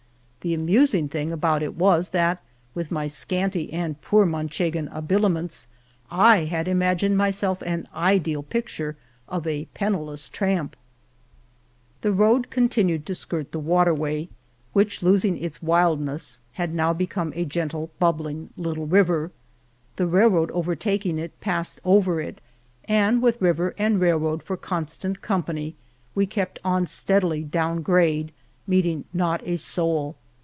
The amusing thing about it was, that with my scanty and poor Man chegan habiliments I had imagined myself an ideal picture of a penniless tramp. The road continued to skirt the waterway, 219 Venta de Cardenas which, losing its wildness, had now become a gently bubbling little river. The railroad overtaking it passed over it, and with river and railroad for constant company we kept on steadily down grade, meeting not a soul.